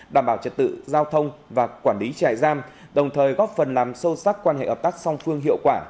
đảm bảo trật tự giao thông và quản lý trại giam đồng thời góp phần làm sâu sắc quan hệ hợp tác song phương hiệu quả